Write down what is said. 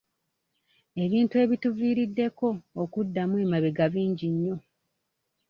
Ebintu ebituviiriddeko okuddamu emabega bingi nnyo.